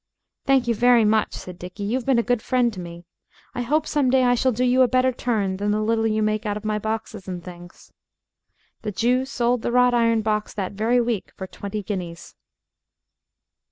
"Thank you very much," said Dickie; "you've been a good friend to me. I hope some day I shall do you a better turn than the little you make out of my boxes and things." The Jew sold the wrought iron box that very week for twenty guineas.